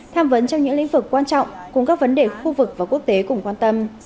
tham vấn trong những lĩnh vực quan trọng cùng các vấn đề khu vực và quốc tế cùng quan tâm